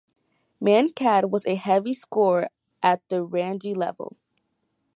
Mankad was a heavy scorer at the Ranji level.